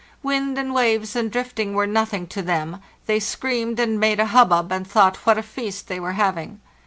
Wind and waves and drifting were nothing to them; they screamed and made a hubbub and thought what a feast they were having.